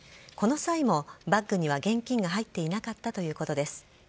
この際もバッグには現金が入っていなかったということです。